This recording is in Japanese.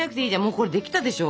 もうこれできたでしょ。